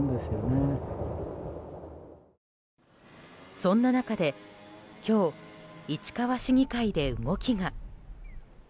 そんな中で、今日市川市議会で動きが。